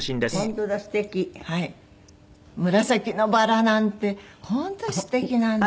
紫のバラなんて本当すてきなの。